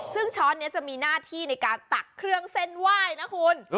ซึ่งช้อนนี้จะมีหน้าที่ในการตักเครื่องเส้นไหว้นะคุณ